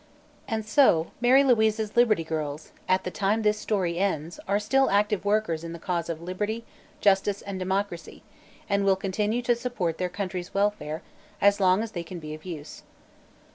And so Mary Louise's Liberty Girls, at the time this story ends, are still active workers in the cause of liberty, justice and democracy, and will continue to support their country's welfare as long as they can be of use.